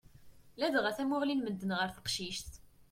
Ladɣa tamuɣli n medden ɣer teqcict.